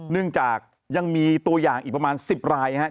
เนื่องจากยังมีตัวอย่างอีกประมาณ๑๐รายนะครับ